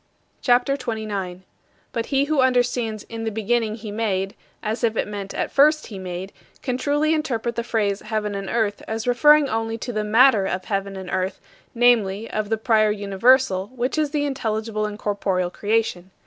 CHAPTER XXIX 40. But he who understands "In the beginning he made" as if it meant, "At first he made," can truly interpret the phrase "heaven and earth" as referring only to the "matter" of heaven and earth, namely, of the prior universal, which is the intelligible and corporeal creation.